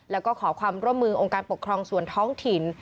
แล้วก็ขอความร่วมมือองค์การปกครองส่วนท้องถิ่น